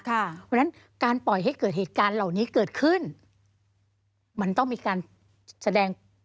เพราะฉะนั้นการปล่อยให้เกิดเหตุการณ์เหล่านี้เกิดขึ้น